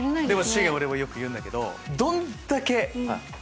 しげ俺もよく言うんだけど。